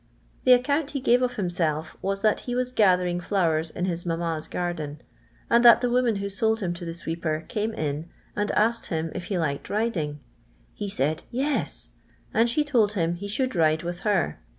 The account he gave of hiiust lf was tliat he was giithering tlowers in his mamma's garden, and that the woman who sold him t(i the sweeper, came in and asked him if he liked riding f lie said, ' Yes,' and she told him he should ride with her.